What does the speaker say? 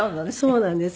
そうなんです。